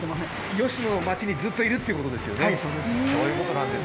吉野の町にずっといるっていうことですよね。